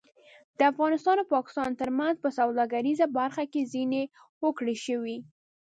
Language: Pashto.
د افغانستان او پاکستان ترمنځ په سوداګریزه برخه کې ځینې هوکړې شوې